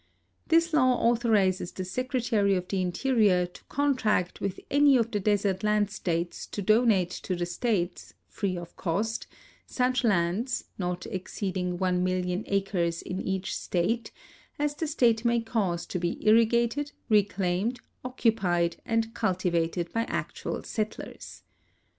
This law au thorizes the Secretary of the Interior to contract with any of the desert land states to donate to the states, free of cost, such lands, not exceeding 1,000,000 acres in each state, as the state may cause to be irrigated, reclaimed, occupied, and cultivated by actual settlers.